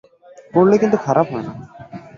করলে কিন্তু খারাপ হয় না?